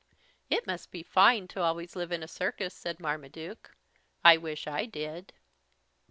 "It must be fine to always live in a circus," said Marmaduke. "Wish I did."